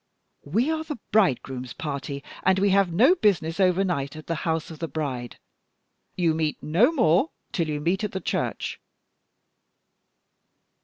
We are the bridegroom's party, and we have no business overnight at the house of the bride. You meet no more till you meet at the church.